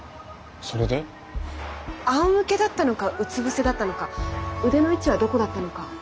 あおむけだったのかうつ伏せだったのか腕の位置はどこだったのか。